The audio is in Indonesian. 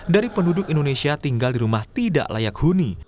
dari penduduk indonesia tinggal di rumah tidak layak huni